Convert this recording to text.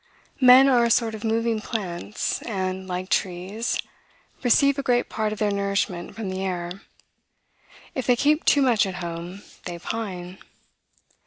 "Men are a sort of moving plants, and, like trees, receive a great part of their nourishment from the air. If they keep too much at home, they pine."